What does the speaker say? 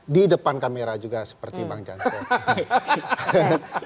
di depan kamera juga seperti bang jansen